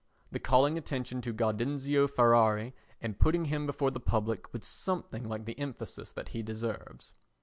The calling attention to Gaudenzio Ferrari and putting him before the public with something like the emphasis that he deserves.